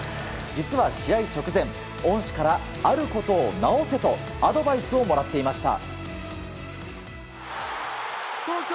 実は試合直前、恩師からあることを直せとアドバイスをもらっていました。